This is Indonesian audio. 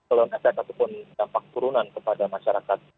keluhan efek ataupun dampak turunan kepada masyarakat